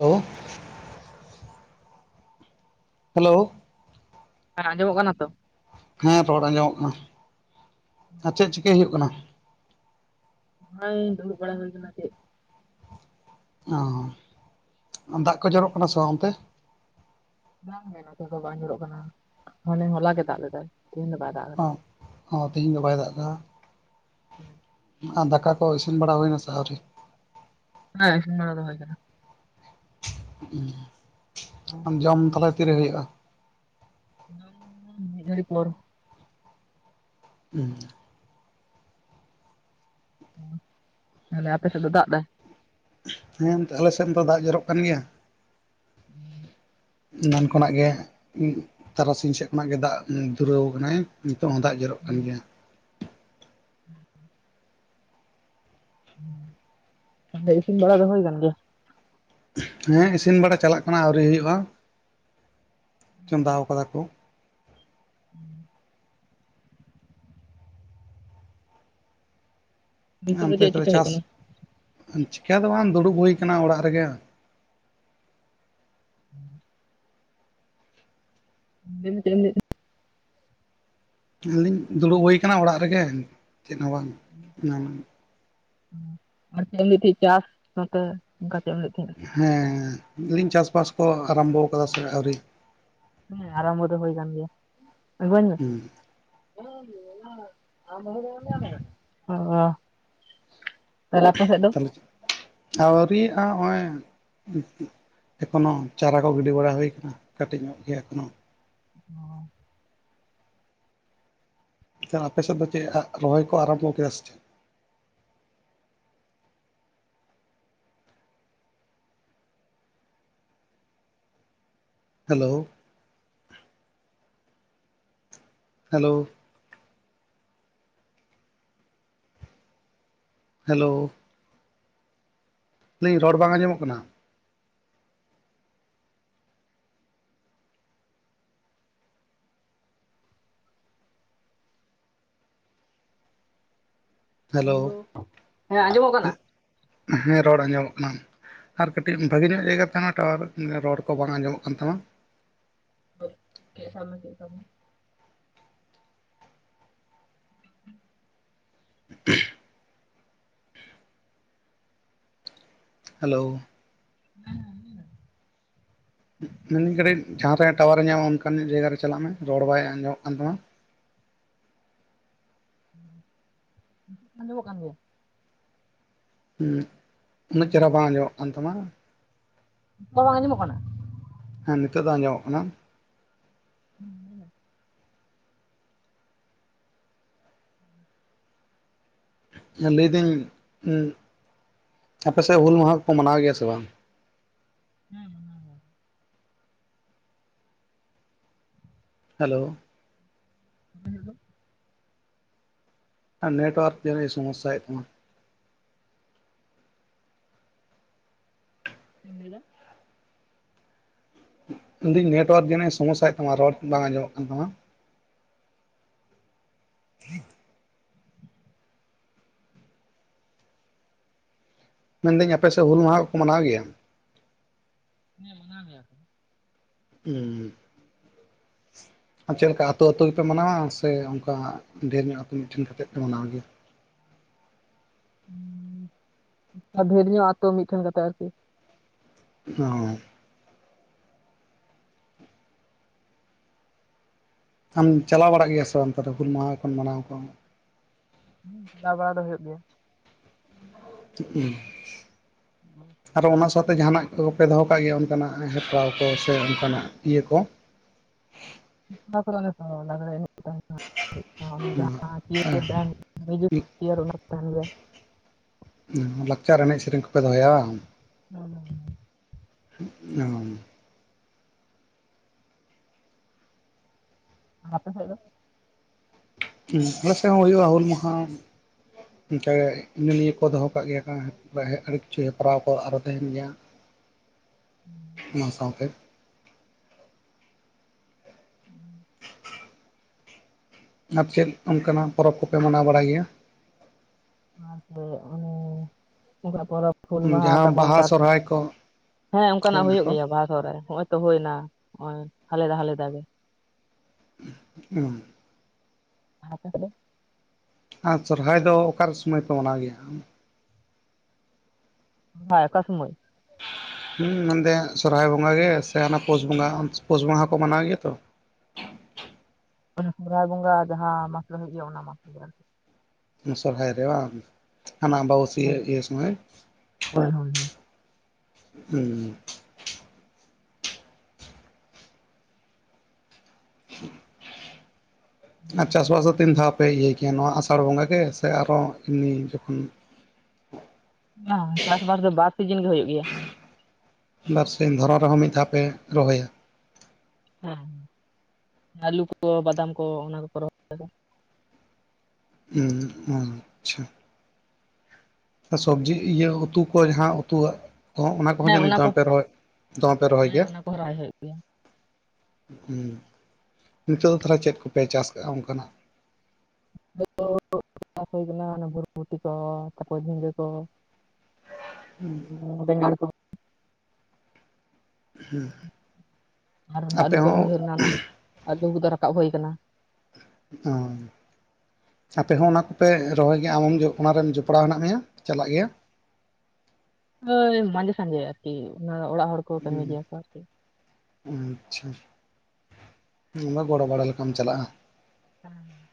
Hello. Hello. ᱦᱮᱸ ᱟᱸᱡᱚᱢᱚᱜ ᱠᱟᱱᱟ ᱛᱚ? ᱦᱮᱸ ᱨᱚᱲ ᱟᱸᱡᱚᱢᱚᱜ ᱠᱟᱱᱟ, ᱟᱨ ᱪᱮᱫ ᱪᱤᱠᱟᱹᱭ ᱦᱩᱭᱩᱜ ᱠᱟᱱᱟ? ᱱᱚᱜᱼᱚᱭ ᱫᱩᱲᱩᱵ ᱵᱟᱲᱟ ᱦᱩᱭ ᱠᱟᱱᱟ ᱪᱮᱫ ᱚ ᱫᱟᱜ ᱠᱚ ᱡᱚᱨᱚᱜ ᱠᱟᱱᱟ ᱥᱮ ᱵᱟᱝ ᱚᱱᱛᱮ? ᱵᱟᱝ ᱜᱮ ᱱᱚᱛᱮ ᱫᱚ ᱵᱟᱝ ᱡᱚᱨᱚᱜ ᱠᱟᱱᱟ, ᱦᱟᱱᱮ ᱦᱚᱞᱟ ᱜᱮ ᱫᱟᱜ ᱞᱮᱫᱟᱭ ᱛᱤᱦᱤᱧ ᱫᱚ ᱵᱟᱭ ᱫᱟᱜ ᱚ ᱛᱤᱦᱤᱧ ᱫᱚ ᱵᱟᱭ ᱫᱟᱜ ᱫᱟ? ᱦᱮᱸ᱾ ᱟᱨ ᱫᱟᱠᱟ ᱠᱚ ᱤᱥᱤᱱ ᱵᱟᱲᱟ ᱦᱩᱭᱱᱟᱥᱮ ᱟᱹᱣᱨᱤ? ᱦᱮᱸ ᱤᱥᱤᱱ ᱵᱟᱲᱟ ᱫᱚ ᱦᱳᱭ ᱠᱟᱱᱟ᱾ ᱩᱸ ᱟᱢ ᱡᱚᱢ ᱛᱟᱦᱞᱮ ᱛᱤᱨᱮ ᱦᱩᱭᱩᱜᱼᱟ? ᱡᱚᱢ ᱫᱚ ᱢᱤᱫ ᱜᱷᱟᱲᱤ ᱯᱚᱨ᱾ ᱩᱸ᱾ ᱛᱟᱦᱞᱮ ᱟᱯᱮ ᱥᱮᱫ ᱫᱚ ᱫᱟᱜ ᱫᱟᱭ? ᱦᱮᱸ ᱱᱚᱛᱮ ᱟᱞᱮ ᱥᱮᱱ ᱫᱚ ᱫᱟᱜ ᱡᱚᱨᱚᱜ ᱠᱟᱱ ᱜᱮᱭᱟ᱾ ᱩᱸ᱾ ᱱᱚᱝᱠᱟᱱᱟᱜ ᱜᱮ ᱛᱟᱨᱟᱥᱤᱧ ᱥᱮᱫ ᱠᱷᱚᱱᱟᱜ ᱜᱮ ᱫᱟᱜ ᱫᱩᱨᱟᱹᱣ ᱠᱟᱱᱟᱭ ᱱᱤᱛᱳᱜ ᱦᱚᱸ ᱫᱟᱜ ᱡᱚᱨᱚᱜ ᱠᱟᱱ ᱜᱮᱭᱟ᱾ ᱦᱩᱸᱻ ᱦᱩᱸ ᱟᱫᱚ ᱤᱥᱤᱱ ᱵᱟᱲᱟ ᱫᱚ ᱦᱳᱭ ᱠᱟᱱᱜᱮᱭᱟ? ᱦᱮᱸ ᱤᱥᱤᱱ ᱵᱟᱲᱟ ᱪᱟᱞᱟᱜ ᱠᱟᱱᱟ ᱟᱣᱨᱤ ᱦᱩᱭᱩᱜ-ᱟ ᱪᱚᱸᱫᱟ ᱠᱟᱫᱟ ᱠᱚ᱾ ᱩᱸ᱾ ᱱᱤᱛᱚᱜ ᱚᱱᱛᱮ ᱪᱮᱫ ᱫᱚ ᱪᱤᱠᱟᱹ ᱦᱩᱭᱩᱜ ᱪᱟᱥ, ᱠᱟᱱᱟ ᱪᱤᱠᱟᱹ ᱫᱚ ᱵᱟᱝ ᱫᱩᱲᱩᱵ ᱦᱩᱭ ᱠᱟᱱᱟ ᱚᱲᱟᱜ ᱨᱮᱜᱮ? ᱦᱩᱸ᱾ ᱞᱟᱹᱭ ᱢᱮ ᱪᱮᱫ ᱮᱢ ᱞᱟᱹᱭᱮᱫ ᱛᱟᱸᱦᱮ, ᱞᱟᱹᱭ ᱫᱤᱧ ᱫᱩᱲᱩᱵ ᱦᱩᱭ ᱠᱟᱱᱟ ᱚᱲᱟᱜ ᱨᱮᱜᱮ ᱪᱮᱫ ᱦᱚᱸ ᱵᱟᱝ ᱟᱨ ᱪᱮᱫ ᱮᱢ ᱞᱟᱹᱭᱮᱫ ᱛᱟᱸᱦᱮᱸ ᱪᱟᱥ ᱱᱚᱛᱮ ᱚᱱᱠᱟ ᱪᱮᱫ ᱮᱢ ᱞᱟᱹᱭᱮᱫ ᱛᱟᱸᱦᱮᱸᱫ-ᱟ ᱦᱮᱸ ᱞᱟᱹᱭ ᱫᱤᱧ ᱪᱟᱥᱵᱟᱥ ᱠᱚ ᱟᱨᱟᱢᱵᱚ ᱟᱠᱟᱫᱟ ᱥᱮ ᱟᱹᱣᱨᱤ ᱦᱮᱸ ᱟᱨᱟᱢᱵ ᱫᱚ ᱦᱩᱭ ᱠᱟᱱ ᱜᱮᱭᱟ ᱟᱹᱜᱩ ᱤᱧ ᱢᱮ, ᱦᱩᱸ [inaudible] ᱟᱸ ᱟᱨ ᱟᱯᱮ ᱥᱮᱫ ᱫᱚ, ᱟᱹᱣᱨᱤᱭᱟ ᱟ ᱱᱚᱜ-ᱚᱭ ᱮᱠᱷᱚᱱᱚ ᱪᱟᱨᱟ ᱠᱚ ᱜᱤᱰᱤ ᱵᱟᱲᱟ ᱦᱩᱭᱩᱠᱟᱱᱟ ᱠᱟᱹᱴᱤᱡ ᱧᱚᱜ ᱜᱮᱭᱟ ᱮᱠᱷᱚᱱᱚ ᱦᱚᱸ ᱮᱱᱠᱷᱟᱱ ᱟᱯᱮ ᱥᱮᱫ ᱫᱚ ᱪᱮᱫ ᱨᱚᱦᱚᱭ ᱠᱚ ᱟᱨᱟᱢᱵᱷᱚ ᱠᱮᱫᱟ ᱥᱮ ᱪᱮᱫ, ᱦᱮᱞᱳ ᱦᱮᱞᱳ ᱦᱮᱞᱳ ᱞᱟᱹᱭᱤᱧ ᱨᱚᱲ ᱵᱟᱝ ᱟᱸᱡᱚᱢᱚᱜ ᱠᱟᱱᱟ, ᱦᱮᱞᱳ ᱦᱮᱸ ᱟᱸᱡᱚᱢᱚᱜ ᱠᱟᱱᱟ ᱦᱮᱸ ᱨᱚᱲ ᱟᱸᱡᱚᱢᱚᱜ ᱠᱟᱱᱟ, ᱟᱨ ᱠᱟᱹᱴᱤᱡ ᱵᱷᱟᱜᱮ ᱧᱚᱜ ᱡᱟᱭᱜᱟ ᱨᱮ ᱛᱟᱸᱦᱮᱱ ᱢᱮ ᱴᱟᱣᱟᱨ ᱨᱚᱲ ᱠᱚ ᱵᱟᱝ ᱟᱸᱡᱚᱢᱚᱜ ᱠᱟᱱ ᱛᱟᱢᱟ, [inaudible] ᱩᱸᱦᱚᱻ ᱦᱮᱞᱳ ᱦᱮᱸ ᱢᱮᱱᱫᱟᱹᱧ ᱠᱟᱹᱴᱤᱡ ᱡᱟᱦᱟᱸ ᱥᱮᱫ ᱨᱮ ᱴᱟᱣᱟᱨᱮ ᱧᱟᱢᱟ ᱚᱱᱠᱟᱱ ᱡᱟᱭᱜᱟ ᱨᱮ ᱪᱟᱞᱟᱜ ᱢᱮ ᱨᱚᱲ ᱵᱟᱭ ᱟᱸᱡᱚᱢᱚᱜ ᱠᱟᱱ ᱛᱟᱢᱟ, ᱱᱤᱛᱳᱜ ᱟᱸᱡᱢᱚᱜᱠᱟᱱ ᱜᱮᱭᱟ, ᱦᱩᱸ ᱩᱱᱟᱹᱜ ᱦᱮᱞᱳ ᱪᱮᱦᱨᱟ ᱵᱟᱝ ᱟᱸᱡᱚᱢᱚᱜ ᱠᱟᱱ ᱛᱟᱢᱟ, ᱱᱤᱛᱳᱜ ᱦᱚ ᱵᱟᱝ ᱟᱸᱡᱢᱚᱜ ᱠᱟᱱᱟ, ᱦᱮᱸ ᱱᱤᱛᱚᱜ ᱫᱚ ᱟᱸᱡᱚᱢᱚᱜ ᱠᱟᱱᱟ, ᱦᱩᱸ ᱞᱟᱹᱭᱫᱤᱧ ᱟᱯᱮᱥᱮᱫ ᱦᱩᱞ ᱢᱟᱦᱟ ᱠᱚ ᱢᱟᱱᱟᱣ ᱜᱮᱭᱟ ᱥᱮ ᱵᱟᱝ, ᱦᱮᱸ ᱦᱮᱸ ᱢᱟᱱᱟᱣ ᱜᱮᱭᱟ, ᱦᱮᱞᱳ, ᱵᱟᱝ ᱧᱮᱞᱚᱜ ᱫᱚ, ᱟᱨ ᱱᱮᱴᱣᱟᱨᱠ ᱡᱟᱱᱤ-ᱮ ᱥᱚᱢᱚᱥᱥᱟ ᱭᱮᱫ ᱛᱟᱢᱟ, ᱪᱮᱫ ᱮᱢ ᱞᱟᱹᱭ ᱫᱟ, ᱢᱮᱱ ᱫᱤᱧ ᱱᱮᱴᱣᱟᱨᱠ ᱡᱟᱱᱤᱡ-ᱮ ᱥᱚᱢᱚᱥᱥᱟ ᱭᱮᱫ ᱛᱟᱢᱟ ᱨᱚᱲ ᱵᱟᱝ ᱟᱸᱡᱚᱢᱚᱜ ᱠᱟᱱ ᱛᱟᱢᱟ, [inaudible] ᱢᱮᱱᱫᱟᱹᱧ ᱟᱯᱮᱥᱮᱫ ᱦᱩᱞ ᱢᱟᱦᱟ ᱠᱚᱠᱚ ᱢᱟᱱᱟᱣ ᱜᱮᱭᱟ, ᱦᱮᱸ ᱢᱟᱱᱟᱣ ᱜᱮᱭᱟ ᱠᱚ, ᱦᱩᱸᱻ ᱟᱨ ᱪᱮᱫ ᱞᱮᱠᱟ ᱟᱛᱳ ᱟᱛᱳ ᱜᱮᱯᱮ ᱢᱟᱱᱟᱣᱟ ᱥᱮ ᱚᱱᱠᱟ ᱰᱷᱮᱨ ᱧᱚᱜ ᱟᱛᱳ ᱢᱤᱫᱴᱷᱮᱱ ᱠᱟᱛᱮ ᱯᱮ ᱢᱟᱱᱟᱣ ᱜᱮᱭᱟ, ᱰᱷᱮᱨ ᱧᱚᱜ ᱟᱛᱳ ᱢᱤᱫᱴᱷᱮᱱ ᱠᱟᱛᱮ ᱟᱨᱠᱤ, ᱚᱸᱻ ᱟᱢ ᱪᱟᱞᱟᱣ ᱵᱟᱲᱟᱜ ᱜᱮᱭᱟ ᱥᱮ ᱵᱟᱝ ᱛᱟᱦᱞᱮ ᱦᱩᱞ ᱢᱟᱦᱟ ᱠᱷᱚᱱ ᱢᱟᱱᱟᱣ- ᱠᱚ ᱦᱩᱸ ᱪᱟᱞᱟᱣ ᱵᱟᱲᱟ ᱫᱚ ᱦᱩᱭᱩᱜ ᱜᱮᱭᱟ, [inaudible] [inaudible] ᱟᱨ ᱚᱱᱟ ᱥᱟᱶᱛᱮ ᱡᱟᱦᱟᱱᱟᱜ ᱠᱚᱯᱮ ᱫᱚᱦᱚ ᱠᱟᱜ ᱜᱮᱭᱟ ᱚᱱᱠᱟᱱᱟᱜ ᱦᱮᱯᱨᱟᱣ ᱠᱚ ᱥᱮ ᱚᱱᱠᱟᱱᱟᱜ ᱤᱭᱟᱹ ᱠᱚ ᱞᱟᱸᱜᱽᱲᱮ ᱮᱱᱮᱡ ᱠᱚ ᱡᱟᱦᱟᱸ ᱢᱤᱭᱡᱤᱠ ᱪᱤᱭᱟᱨ ᱚᱱᱟ ᱠᱚ ᱛᱟᱦᱮᱱ ᱜᱮᱭᱟ᱾ ᱞᱟᱠᱪᱟᱨ ᱮᱱᱮᱡ ᱥᱮᱨᱮᱧ ᱠᱚᱯᱮ ᱫᱚᱦᱚᱭᱟ ᱵᱟᱝ ᱦᱸᱻ ᱚ ᱟᱯᱮ ᱥᱮᱫ ᱫᱚ? ᱟᱞᱮ ᱥᱮᱫ ᱦᱚᱸ ᱦᱩᱭᱩᱜᱼᱟ ᱦᱩᱞ ᱢᱟᱦᱟ ᱚᱱᱠᱟ ᱤᱱᱟᱹ-ᱱᱤᱭᱟᱹ ᱠᱚ ᱫᱚᱦᱚ ᱠᱟᱜ ᱜᱮᱭᱟ ᱠᱚ ᱟᱹᱰᱤ ᱠᱤᱪᱷᱩ ᱦᱮᱯᱨᱟᱣ ᱠᱚ ᱟᱨᱚ ᱛᱟᱦᱮᱱ ᱜᱮᱭᱟ᱾ ᱦᱩᱸ ᱚᱱᱟ ᱥᱟᱶᱛᱮ ᱦᱩᱸ ᱟᱨ ᱪᱮᱫ ᱚᱱᱠᱟᱱᱟᱜ ᱯᱚᱨᱚᱵᱽ ᱠᱚᱯᱮ ᱢᱟᱱᱟᱣ ᱵᱟᱲᱟᱭ ᱜᱮᱭᱟ? ᱥᱮᱸᱫᱽᱨᱟ ᱠᱚ ᱚᱱᱮ ᱚᱱᱠᱟᱱᱟᱜ ᱯᱚᱨᱚᱵᱽ ᱦᱩᱞ ᱢᱟᱦᱟ ᱡᱟᱦᱟᱸ ᱛᱟᱵᱚᱱ ᱵᱟᱦᱟ ᱥᱚᱨᱦᱟᱭ ᱠᱚ ᱦᱮᱸᱻ ᱦᱳᱭ ᱚᱱᱠᱟᱱᱟᱜ ᱦᱩᱭᱩᱜ ᱱᱟᱠᱚ ᱜᱮᱭᱟ ᱵᱟᱦᱟ, ᱥᱚᱦᱚᱨᱟᱭ ᱱᱚᱜᱼᱚᱭ ᱛᱚ ᱦᱩᱭ ᱮᱱᱟ ᱱᱚᱜᱼᱚᱭ ᱦᱟᱞᱮᱫᱟ- ᱦᱟᱞᱮᱫᱟ ᱜᱮ ᱦᱚᱸ ᱟᱯᱮ ᱥᱮᱫ ᱫᱚ? ᱟᱨ ᱥᱚᱨᱦᱟᱭ ᱫᱚ ᱚᱠᱟᱨᱮ ᱥᱚᱢᱚᱭ ᱯᱮ ᱢᱟᱱᱟᱣ ᱜᱮᱭᱟ ᱦᱳᱭ ᱚᱠᱟ ᱥᱚᱢᱟᱭ? ᱢᱮᱱ ᱫᱚ ᱥᱚᱨᱦᱟᱭ ᱵᱚᱸᱜᱟ ᱜᱮ ᱥᱮ ᱚᱱᱟ ᱯᱩᱥ ᱵᱚᱸᱜᱟ-ᱯᱩᱥ ᱵᱚᱸᱜᱟ ᱦᱚᱸᱠᱚ ᱢᱟᱱᱟᱣ ᱜᱮᱭᱟ ᱛᱚ ᱥᱚᱦᱨᱟᱭ ᱵᱚᱸᱜᱟ ᱡᱟᱦᱟᱸ ᱢᱟᱥ ᱨᱮ ᱦᱩᱭᱩᱜ ᱜᱮᱭᱟ ᱚᱱᱟ ᱢᱟᱥ ᱥᱚᱨᱦᱟᱭ ᱨᱮ ᱵᱟᱝ ᱦᱟᱱᱟ ᱟᱵᱟᱵᱟᱹᱥᱤᱭᱟᱹ ᱤᱭᱟᱹ ᱥᱚᱢᱚᱭ ᱦᱳᱭ-ᱦᱳᱭ ᱦᱩᱸ ᱟᱨ ᱪᱟᱥᱵᱟᱥ ᱫᱚ ᱛᱤᱱ ᱫᱷᱟᱣ ᱯᱮ ᱤᱭᱟᱹᱭ ᱠᱮᱭᱟ ᱱᱚᱣᱟ ᱟᱥᱟᱲ ᱵᱚᱸᱜᱟ ᱜᱮ ᱥᱮ ᱟᱨᱚ ᱮᱢᱱᱤ ᱡᱚᱠᱷᱚᱱ ᱵᱟᱝ ᱪᱟᱥᱵᱟᱥ ᱫᱚ ᱵᱟᱨ ᱥᱤᱡᱤᱱ ᱜᱮ ᱦᱩᱭᱩᱜ ᱜᱮᱭᱟ᱾ ᱵᱟᱨ ᱥᱤᱧ ᱫᱷᱚᱨᱚᱱ ᱨᱮᱦᱚᱸ ᱢᱤᱫ ᱫᱷᱟᱣ ᱯᱮ ᱨᱚᱦᱚᱭᱟ᱾ ᱦᱮᱸᱻ ᱟᱹᱞᱩ ᱠᱚ ᱵᱟᱫᱟᱢ ᱠᱚ ᱚᱱᱟ ᱠᱚᱠᱚ ᱨᱚᱦᱚᱭᱫᱟ ᱟᱪᱷᱟ ᱥᱚᱵᱽᱡᱤ ᱤᱭᱟᱹ ᱩᱛᱩ ᱠᱚ ᱡᱟᱦᱟᱸ ᱩᱛᱩᱣᱟᱜ ᱚᱱᱟ ᱠᱚᱦᱚᱸ ᱦᱮᱸ ᱡᱟᱹᱱᱤᱡ ᱠᱚ ᱫᱚᱢᱯᱮ ᱨᱚᱦᱚᱭ ᱫᱚᱢᱮ ᱯᱮ ᱨᱚᱦᱚᱭ ᱦᱮᱸ ᱜᱮᱭᱟ ᱚᱱᱟ ᱠᱚ ᱨᱚᱦᱚᱭ ᱦᱩᱭᱩᱜ ᱜᱮᱭᱟ ᱦᱩᱸ ᱱᱤᱛᱚᱜ ᱫᱚ ᱛᱟᱦᱚᱞᱮ ᱪᱮᱫ ᱠᱚᱯᱮ ᱪᱟᱥ ᱠᱟᱜᱼᱟ ᱚᱱᱠᱟᱱᱟᱜ? ᱪᱟᱥ ᱦᱩᱭ ᱠᱟᱱᱟ ᱵᱷᱚᱨᱵᱷᱩᱴᱤ ᱠᱚ ᱛᱟᱨᱯᱚᱨ ᱡᱷᱤᱸᱜᱟᱹ ᱠᱚ ᱵᱮᱸᱜᱟᱲ ᱠᱚᱦᱚᱸ ᱟᱨ ᱚᱱᱟ ᱟᱹᱞᱩ ᱟᱯᱮ ᱠᱚ ᱦᱚᱸ ᱨᱚᱦᱚᱭ ᱦᱩᱭ ᱞᱮᱱᱟ ᱚᱱᱟ ᱟᱹᱞᱩ ᱠᱚᱫᱚ ᱨᱟᱠᱟᱵ ᱦᱩᱭ ᱠᱟᱱᱟ᱾ ᱚᱸ ᱟᱯᱮ ᱦᱚᱸ ᱚᱱᱟ ᱠᱚᱯᱮ ᱨᱚᱦᱚᱭ ᱜᱮᱭᱟ ᱟᱢ ᱦᱚᱸ ᱚᱱᱟᱨᱮᱢ ᱡᱚᱯᱲᱟᱣ ᱦᱮᱱᱟᱜ ᱢᱮᱭᱟ ᱪᱟᱞᱟᱜ ᱜᱮᱭᱟ ᱦᱳᱭ ᱢᱟᱡᱷᱮ-ᱥᱟᱸᱡᱷᱮ ᱟᱨᱠᱤ ᱚᱱᱟ ᱚᱲᱟᱜ ᱦᱚᱲ ᱠᱚ ᱠᱟᱹᱢᱤ ᱜᱮᱭᱟ ᱠᱚ ᱟᱨᱠᱤ ᱟᱪᱷᱟ ᱜᱚᱲᱚ ᱵᱟᱲᱟ ᱞᱮᱠᱟᱢ ᱪᱟᱞᱟᱜᱼᱟ᱾ ᱦᱮᱸᱻ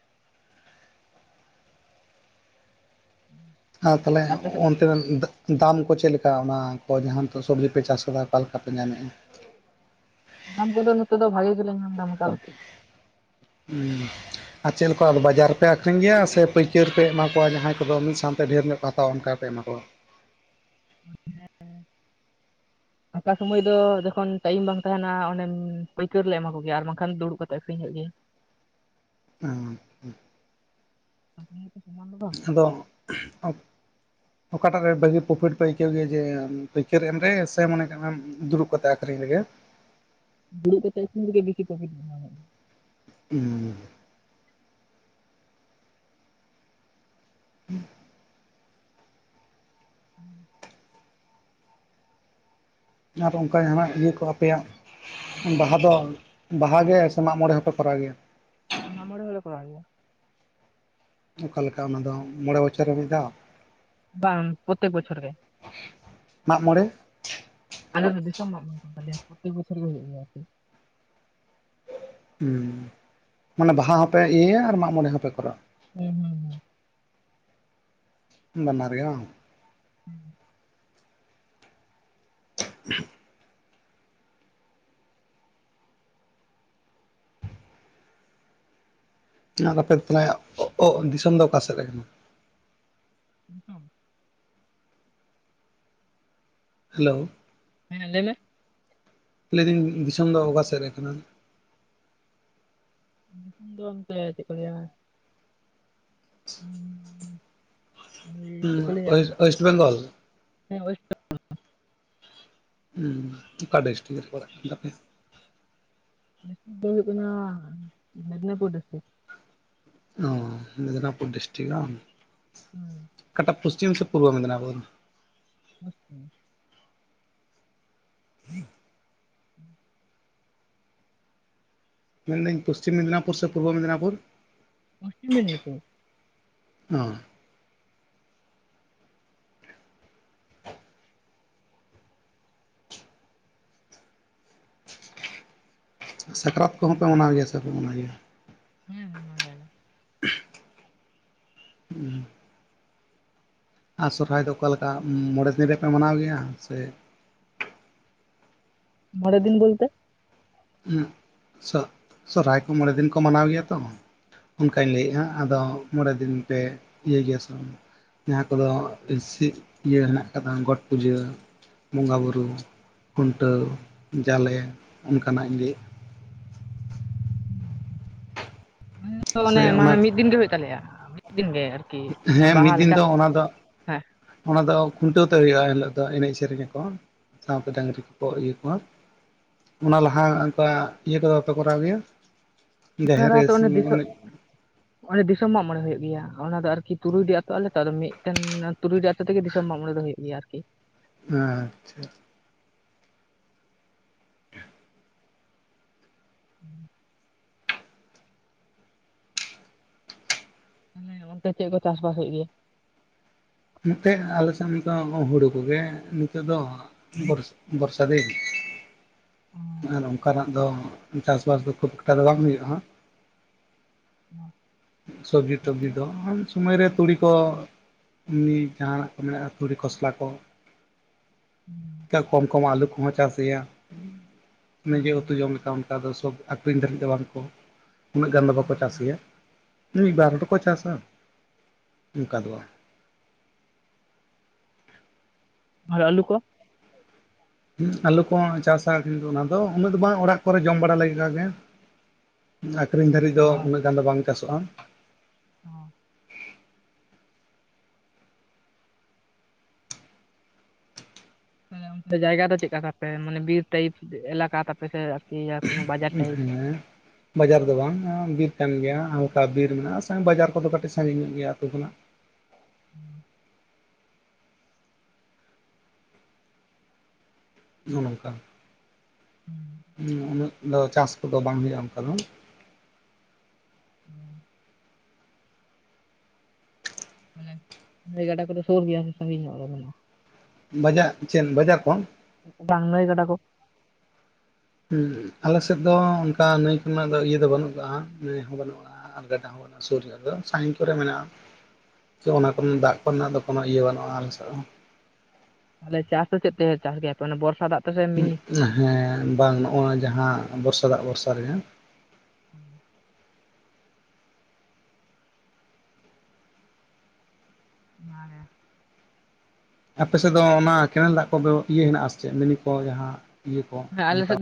ᱟᱨ ᱛᱟᱦᱚᱞᱮ ᱟᱯᱮ ᱥᱮᱫ ᱚᱱ ᱛᱮ ᱫᱚ ᱫᱟᱢ ᱠᱚ ᱪᱮᱫ ᱞᱮᱠᱟ ᱚᱱᱟ ᱠᱚ ᱡᱟᱦᱟᱸ ᱱᱤᱛᱚᱜ ᱥᱚᱵᱽᱡᱤ ᱯᱮ ᱪᱟᱥ ᱟᱠᱟᱫᱟ ᱚᱠᱟ ᱞᱮᱠᱟ ᱯᱮ ᱧᱟᱢᱮᱫᱼᱟ? ᱫᱟᱢ ᱠᱚᱫᱚ ᱱᱤᱛᱚᱜ ᱫᱚ ᱵᱷᱟᱜᱮ ᱜᱮᱞᱮ ᱧᱟᱢ ᱮᱫᱟ ᱢᱚᱴᱟ-ᱢᱩᱴᱤ ᱦᱩᱸ ᱟᱨ ᱪᱮᱫ ᱞᱮᱠᱟ ᱟᱫᱚ ᱵᱟᱡᱟᱨ ᱨᱮᱯᱮ ᱟᱠᱷᱨᱤᱧ ᱜᱮᱭᱟ ᱥᱮ ᱯᱟᱹᱭᱠᱟᱹᱨ ᱯᱮ ᱮᱢᱟ ᱠᱚᱣᱟ ᱡᱟᱦᱟᱸᱭ ᱠᱚᱫᱚ ᱢᱤᱫ ᱥᱟᱶᱛᱮ ᱰᱷᱮᱨ ᱧᱚᱜ ᱠᱚ ᱦᱟᱛᱟᱣᱟ ᱚᱱᱠᱟ ᱯᱮ ᱮᱢᱟ ᱠᱚᱼᱼ ᱪᱮᱫ ᱦᱚᱸ ᱵᱟᱝ ᱟᱸᱡᱚᱢᱚᱜ ᱠᱟᱱᱟ ᱾ ᱯᱷᱟᱠᱟ ᱥᱚᱢᱚᱭ ᱫᱚ ᱡᱚᱠᱷᱚᱱ ᱴᱟᱭᱤᱢ ᱵᱟᱝ ᱛᱟᱦᱮᱱᱟ ᱚᱱᱮ ᱯᱟᱹᱭᱠᱟᱹᱨ ᱞᱮ ᱮᱢᱟ ᱠᱚᱜᱮᱭᱟ ᱟᱨ ᱵᱟᱝᱠᱷᱟᱱ ᱫᱩᱲᱩᱵ ᱠᱟᱛᱮᱜ ᱟᱹᱠᱷᱨᱤᱧ ᱦᱩᱭᱩᱜ ᱜᱮᱭᱟ᱾ ᱦᱩᱸ-ᱦᱩᱸ ᱛᱟᱸᱦᱮ ᱥᱚᱢᱟᱱ ᱫᱚ ᱼᱼ ᱟᱫᱚ ᱩᱸ ᱚᱠᱟᱴᱟᱜ ᱨᱮ ᱵᱷᱟᱹᱜᱤ ᱯᱨᱚᱯᱷᱤᱴ ᱯᱮ ᱟᱹᱭᱠᱟᱹᱣ ᱜᱮᱭᱟ ᱡᱮ ᱯᱟᱹᱭᱠᱟᱹᱨ ᱮᱢ ᱨᱮ ᱥᱮ ᱢᱚᱱᱮ ᱠᱟᱜ ᱢᱮᱼᱼ ᱫᱩᱲᱩᱵ ᱠᱟᱛᱮᱜ ᱟᱠᱷᱨᱤᱧ ᱨᱮᱜᱮᱼᱼ ᱫᱩᱲᱩᱵ ᱠᱟᱛᱮᱜ ᱟᱠᱷᱨᱤᱧ ᱨᱮᱜᱮ ᱵᱮᱥᱤ ᱯᱨᱚᱯᱷᱴ ᱢᱮᱱᱟᱜᱼᱟ ᱦᱩᱸ ᱩᱸ ᱤᱱ ᱼ ᱤᱱᱴᱮᱞᱤᱡᱤᱵᱮᱞ ᱟᱱᱼᱚᱰᱤᱵᱮᱞ ᱱᱚᱣᱟ ᱫᱚ ᱚᱝᱠᱟ ᱜᱮ ᱦᱟᱱᱟ ᱤᱭᱟᱹ ᱠᱚ ᱟᱯᱮᱭᱟᱜᱼᱼ ᱵᱟᱦᱟ ᱫᱚ ᱵᱟᱦᱟ ᱜᱮ ᱥᱮ ᱢᱟᱜ ᱢᱚᱸᱬᱮ ᱦᱚᱸᱯᱮ ᱠᱚᱨᱟᱣ ᱜᱮᱭᱟ? ᱢᱟᱜ ᱢᱚᱸᱬᱮ ᱦᱚᱸᱞᱮ ᱠᱚᱨᱟᱣ ᱜᱮᱭᱟ᱾ ᱚᱠᱟ ᱞᱮᱠᱟ ᱚᱱᱟ ᱫᱚ ᱢᱚᱸᱬᱮ ᱵᱚᱪᱷᱚᱨ ᱨᱮ ᱢᱤᱫ ᱫᱷᱟᱣ? ᱵᱟᱝ ᱯᱨᱚᱛᱮᱠ ᱵᱚᱪᱚᱨ ᱜᱮ ᱢᱟᱜ ᱢᱚᱸᱬᱮ ᱟᱞᱮ ᱫᱚ ᱫᱤᱥᱚᱢ ᱢᱟᱜ ᱢᱚᱸᱬᱮ ᱠᱟᱱ ᱛᱟᱞᱮᱭᱟ ᱯᱨᱚᱛᱮᱠ ᱵᱚᱪᱷᱚᱨ ᱜᱮ ᱦᱩᱭᱩᱜ ᱜᱮᱭᱟ ᱟᱨ ᱠᱤ ᱩᱸ ᱢᱟᱱᱮ ᱵᱟᱦᱟ ᱦᱚᱸᱯᱮ ᱤᱭᱟᱹᱭᱟ ᱟᱨ ᱢᱟᱜ ᱢᱚᱸᱬᱮ ᱦᱚᱸᱯᱮ ᱠᱚᱨᱟᱣᱟ ᱦᱩᱸ-ᱦᱩᱸ ᱵᱟᱱᱟᱨ ᱜᱮ ᱵᱟᱝ ᱟᱱᱼᱚᱰᱤᱵᱮᱞ ᱪᱮᱫ ᱦᱚᱸ ᱵᱟᱝ ᱟᱸᱡᱚᱢ ᱴᱷᱤᱠᱟᱹᱜ ᱠᱟᱱᱟ ᱟᱨ ᱟᱯᱮ ᱛᱟᱞᱟᱭᱟ ᱚ ᱚᱜ ᱫᱤᱥᱚᱢ ᱫᱚ ᱚᱠᱟ ᱥᱮᱫᱨᱮ ᱠᱟᱱᱟ? ᱟᱱᱼᱚᱰᱤᱵᱮᱞ ᱦᱮᱞᱳ ᱦᱮᱸᱻᱦᱮᱸᱻ ᱞᱟᱹᱭ ᱢᱮ ᱞᱟᱹᱭᱫᱟᱹᱧ ᱫᱤᱥᱚᱢ ᱫᱚ ᱚᱠᱟ ᱥᱮᱫ ᱨᱮ ᱠᱟᱱᱟ? ᱫᱤᱥᱚᱢ ᱫᱚ ᱚᱱᱛᱮ ᱪᱮᱫ ᱠᱚ ᱞᱟᱹᱭᱟ? ᱼᱼ ᱪᱮᱫ ᱠᱚ ᱞᱟᱹᱭᱟ ᱳᱭᱮᱥᱴ ᱵᱮᱝᱜᱚᱞ ᱦᱮᱸ ᱳᱭᱼᱼ ᱩᱸ ᱚᱠᱟ ᱰᱤᱥᱴᱤᱠ ᱨᱮ ᱯᱟᱲᱟᱜ ᱠᱟᱱ ᱛᱟᱯᱮᱭᱟ? ᱰᱤᱥᱴᱤᱠ ᱫᱚ ᱦᱩᱭᱩᱜ ᱠᱟᱱᱟ ᱢᱮᱫᱽᱱᱤᱯᱩᱨ ᱰᱤᱥᱴᱤᱠ ᱚ ᱢᱤᱫᱽᱱᱟᱯᱩᱨ ᱰᱤᱥᱴᱤᱠ ᱵᱟᱝ ᱦᱩᱸ ᱯᱚᱥᱪᱤᱢ ᱥᱮ ᱯᱩᱨᱵᱚ ᱢᱤᱫᱽᱱᱟᱯᱩᱨ? ᱟᱱ ᱼᱤᱱᱴᱮᱞᱤᱡᱤᱵᱮᱞ ᱟᱱᱼᱚᱰᱤᱵᱮᱞ ᱟᱱᱼ ᱚᱰᱤᱵᱮᱞ ᱢᱮᱱᱫᱟᱹᱧ ᱯᱚᱥᱪᱤᱢ ᱢᱮᱫᱽᱱᱤᱟᱯᱩᱨ ᱥᱮ ᱯᱩᱨᱵᱚ ᱢᱮᱫᱽᱱᱟᱯᱩᱨ? ᱯᱚᱥᱪᱤᱢ ᱢᱮᱫᱽᱱᱤᱯᱩᱨ ᱚ ᱥᱟᱠᱨᱟᱛ ᱠᱚᱦᱚᱸ ᱯᱮ ᱢᱟᱱᱟᱣ ᱜᱮᱭᱟ ᱥᱮ ᱵᱟᱯᱮ ᱢᱟᱱᱟᱣ ᱜᱮᱭᱟ? ᱦᱮᱸ ᱢᱟᱱᱟᱣ ᱜᱮᱭᱟᱞᱮ ᱩᱸ ᱟᱨ ᱥᱚᱨᱦᱟᱭ ᱫᱚ ᱚᱠᱟ ᱞᱮᱠᱟ ᱢᱚᱸᱬᱮ ᱫᱤᱱ ᱨᱮ ᱯᱮ ᱢᱟᱱᱟᱣ ᱜᱮᱭᱟ ᱥᱮᱼᱼ ᱢᱚᱸᱬᱮ ᱫᱤᱱ ᱵᱚᱞᱛᱮ ᱥᱚ ᱥᱚᱨᱦᱟᱭ ᱠᱚ ᱢᱚᱸᱬᱮ ᱫᱤᱱ ᱠᱚ ᱢᱟᱱᱟᱣ ᱜᱮᱭᱟ ᱛᱚ᱾ ᱚᱱᱠᱟᱧ ᱞᱟᱹᱭᱮᱜ-ᱟ ᱟᱫᱚ ᱢᱚᱸᱬᱮ ᱫᱤᱱ ᱯᱮ ᱤᱭᱟᱹᱭ ᱜᱮᱭᱟ ᱥᱮ ᱡᱟᱦᱟᱸ ᱠᱚᱫᱚ ᱥᱤ ᱤᱭᱟᱹ ᱦᱮᱱᱟᱜ ᱠᱟᱫᱟ ᱜᱚᱴ ᱯᱩᱡᱟᱹ ᱵᱚᱸᱜᱟ ᱵᱩᱨᱩ, ᱠᱷᱩᱱᱴᱟᱹᱣ, ᱡᱟᱞᱮ, ᱠᱟᱱᱟ ᱤᱧ ᱞᱟᱹᱭᱮ ᱥᱮ ᱚᱱᱮ ᱚᱱᱟ ᱢᱟᱱᱮ ᱢᱤᱫ ᱫᱤᱱ ᱜᱮ ᱦᱩᱭᱩᱜ ᱛᱟᱞᱮᱭᱟ ᱢᱤᱫ ᱫᱤᱱ ᱜᱮ ᱟᱨᱠᱤ ᱚᱱᱟ ᱦᱮᱸ ᱵᱟᱦᱟ ᱢᱤᱫ ᱫᱤᱱ ᱞᱮᱠᱟ ᱫᱚ ᱚᱱᱟ ᱫᱚ ᱦᱮᱸ ᱚᱱᱟ ᱫᱚ ᱠᱷᱩᱱᱴᱟᱹᱣ ᱛᱮ ᱦᱩᱭᱩᱜ-ᱟ ᱮᱤᱞᱳᱜ ᱫᱚ ᱮᱱᱮᱡ ᱥᱮᱨᱮᱧ ᱟᱠᱚ ᱛᱟᱯᱚᱨ ᱰᱟᱝᱨᱤ ᱠᱚᱠᱚ ᱤᱭᱟᱹ ᱠᱚᱣᱟ ᱚᱱᱟ ᱞᱟᱦᱟ ᱚᱱᱠᱟ ᱤᱭᱟᱹ ᱠᱚᱫᱚ ᱵᱟᱯᱮ ᱠᱚᱨᱟᱣ ᱜᱮᱭᱟ ᱡᱟᱦᱮᱨ ᱨᱮ ᱚᱱᱟᱛᱚ [unintelligible] ᱚᱱᱮ ᱥᱤᱢ ᱫᱤᱥᱟᱹ ᱮᱱᱮᱡ? ᱚᱱᱮ ᱫᱤᱥᱚᱢ ᱢᱟᱜ ᱢᱚᱬᱮ ᱦᱩᱭᱩᱜ ᱜᱮᱭᱟ, ᱚᱱᱟ ᱫᱚ ᱟᱨᱠᱤ ᱛᱩᱨᱩᱭᱰᱤ ᱟᱹᱛᱩ ᱟᱞᱮ ᱛᱚ ᱢᱤᱫᱴᱮᱱ ᱛᱩᱨᱩᱭ ᱟ [unintelligible] ᱫᱤᱥᱚᱢ ᱢᱟᱜ ᱢᱚᱬᱮ ᱫᱚ ᱦᱩᱭᱩᱜ ᱜᱮᱭᱟ ᱟᱨᱠᱤ ᱟᱪᱪᱷᱟ ᱛᱟᱦᱚᱞᱮ ᱚᱱᱛᱮ ᱪᱮᱫ ᱠᱚ ᱪᱟᱥᱵᱟᱥ ᱦᱩᱭᱩᱜ ᱜᱮᱭᱟ? ᱱᱚᱛᱮ ᱟᱞᱮ ᱥᱮᱫ ᱱᱤᱛᱚᱜ ᱦᱩᱲᱩ ᱠᱚᱜᱮ ᱱᱤᱛᱚᱜ ᱫᱚ ᱵᱚᱨ ᱵᱚᱨᱥᱟ ᱫᱤᱱ ᱚ ᱟᱨ ᱚᱱᱠᱟᱱᱟᱜ ᱫᱚ ᱪᱟᱥᱵᱟᱥ ᱫᱚ ᱠᱷᱩᱵ ᱮᱠᱴᱟ ᱫᱚ ᱵᱟᱝ ᱦᱩᱭᱩᱜ-ᱟ᱾ ᱦ [unintelligible] ᱥᱚᱵᱽᱡᱤ ᱴᱚᱵᱡᱤ ᱫᱚ ᱩᱱ ᱥᱚᱢᱚᱭ ᱨᱮ ᱛᱩᱲᱤ ᱠᱚ ᱮᱢᱱᱤ ᱡᱟᱦᱟᱱᱟᱜ ᱠᱚ ᱢᱮᱱᱟᱜ-ᱟ ᱛᱩᱲᱤ ᱠᱷᱚᱥᱞᱟ ᱠᱚ ᱦᱮᱸ ᱠᱚᱢ ᱠᱚᱢ ᱟᱹᱞᱩ ᱠᱚᱦᱚᱸ ᱪᱟᱥᱮᱭᱟ ᱱᱤᱡᱮ ᱩᱛᱩ ᱦᱩᱸ ᱡᱚᱢᱠᱷᱟᱱ ᱚᱠᱟ ᱫᱚ ᱥᱚᱵ ᱟᱠᱷᱨᱤᱧ ᱫᱷᱟᱹᱨᱤᱡ ᱫᱚ ᱵᱟᱝᱠᱚ ᱩᱱᱟᱹᱜ ᱜᱟᱱ ᱫᱚ ᱵᱟᱠᱚ ᱪᱟᱥ ᱦᱩᱸ ᱜᱮᱭᱟ᱾ ᱢᱤᱫ ᱵᱟᱨ ᱠᱚ ᱪᱟᱥᱟ ᱚᱱᱠᱟ ᱫᱚ ᱵᱟᱝ ᱟᱨ ᱟᱹᱞᱩ ᱠᱚ ᱟᱹᱞᱩ ᱠᱚ ᱪᱟᱥᱟ ᱠᱤᱱᱛᱩ ᱚᱱᱟ ᱫᱚ ᱩᱱᱟᱹᱜ ᱫᱚ ᱵᱟᱝ ᱚᱲᱟᱜ ᱠᱚᱨᱮ ᱡᱚᱢ ᱵᱟᱲᱟ ᱞᱮᱠᱟᱜ ᱜᱮ ᱟᱠᱷᱨᱤᱧ ᱫᱷᱟᱹᱨᱤᱡ ᱫᱚ ᱩᱱᱟᱹᱜ ᱜᱟᱱ ᱫᱚ ᱵᱟᱝ ᱪᱟᱥᱚᱜ-ᱟ᱾ ᱚ ᱢᱟᱱᱮ ᱚᱱᱛᱮ ᱡᱟᱭᱜᱟ ᱫᱚ ᱪᱮᱫᱞᱠᱟ ᱛᱟᱯᱮ ᱢᱟᱱᱮ ᱵᱤᱨ ᱴᱟᱭᱤᱯ ᱮᱞᱟᱠᱟ ᱛᱟᱯᱮ ᱥᱮ ᱟᱨᱠᱤ ᱠᱳᱱᱳ ᱵᱟᱡᱟᱨ ᱴᱟᱭᱤᱯ? ᱦᱮ ᱵᱟᱡᱟᱨ ᱫᱚ ᱵᱟᱝ ᱵᱤᱨ ᱠᱟᱱ ᱜᱮᱭᱟ ᱦᱟᱞᱠᱟ ᱵᱤᱨ ᱢᱮᱱᱟᱜ-ᱟ ᱥᱟ ᱵᱟᱡᱟᱨ ᱠᱚᱫᱚ ᱠᱟᱹᱴᱤᱡ ᱥᱟᱺᱜᱤᱧ ᱧᱚᱜ ᱜᱮᱭᱟ ᱟᱹᱛᱩ ᱠᱷᱚᱱᱟᱜ ᱦᱩᱸ ᱱᱚ ᱱᱚᱝᱠᱟ ᱦᱮᱸ ᱦᱩ ᱩᱱᱟᱹᱜ ᱫᱚ ᱪᱟᱥ ᱠᱚᱫᱚ ᱵᱟᱝ ᱦᱳᱭᱳᱜ-ᱟ ᱚᱱᱠᱟ ᱫᱚ ᱦᱩᱸ ᱢᱟᱱᱮ ᱜᱟᱰᱟ ᱠᱚᱫᱚ ᱥᱩᱨ ᱜᱮᱭᱟ ᱥᱮ ᱥᱟᱺᱜᱤᱧ ᱧᱚᱜ ᱢᱮᱱᱟᱜ-ᱟ ᱵᱟᱡᱟᱨ ᱪᱮᱱ ᱵᱟᱡᱟᱨ ᱠᱚᱱ ᱵᱟᱝ ᱱᱟᱹᱭ ᱜᱟᱰᱟ ᱠᱚ ᱦᱮᱸ ᱟᱞᱮᱥᱮᱫ ᱫᱚ ᱚᱱᱠᱟ ᱱᱟᱹᱭ ᱠᱚ ᱫᱚ ᱤᱭᱟᱹ ᱫᱚ ᱵᱟᱹᱱᱩᱜ ᱟᱠᱟᱜ-ᱟ ᱱᱟᱹᱭ ᱦᱚᱸ ᱵᱟᱹᱱᱩᱜ-ᱟ ᱟᱨ ᱜᱟᱰᱟ ᱦᱚᱸ ᱥᱩᱨᱡ ᱫᱚ ᱥᱟᱦᱤᱱᱠ ᱨᱮ ᱢᱮᱱᱟᱜ-ᱟ᱾ ᱚᱱᱟ ᱠᱚᱨᱮ ᱫᱟᱜ ᱠᱚᱨᱮᱱᱟᱜ ᱫᱚ ᱠᱳᱱᱳ ᱤᱭᱟᱹ ᱵᱟᱹᱱᱩᱜ-ᱟ ᱟᱞᱮᱥᱮᱫ ᱦᱚᱸ ᱛᱟᱦᱮᱞᱮ ᱪᱟᱥ ᱫᱚ ᱪᱮᱫ ᱛᱮ ᱪᱟᱥ ᱜᱮᱭᱟᱯᱮ ᱵᱚᱨᱥᱟ ᱫᱟᱜ ᱛᱮᱥᱮ ᱢᱤᱱᱤ? ᱦᱮᱸ ᱵᱟᱝ ᱱᱚᱜᱼᱚᱭ ᱡᱟᱦᱟᱸ ᱵᱚᱨᱥᱟ ᱫᱟᱜ ᱵᱚᱨᱥᱟ ᱨᱮᱜᱮ [inaudible] ᱚᱱᱟᱜᱮ ᱟᱯᱮ ᱥᱮᱫ ᱫᱚ ᱚᱱᱟ ᱠᱮᱱᱮᱞ ᱫᱟᱜ ᱠᱚ ᱤᱭᱟᱹ ᱦᱮᱱᱟᱜᱼᱟ ᱪᱮᱫ ᱢᱤᱱᱤ ᱠᱚ ᱡᱟᱦᱟᱸ ᱤᱭᱟᱹ ᱠᱚ ᱦᱮᱸ ᱟᱞᱮ ᱚᱱᱠᱟ ᱥᱮᱫ